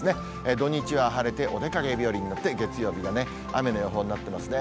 土日は晴れて、お出かけ日和になって、月曜日は雨の予報になってますね。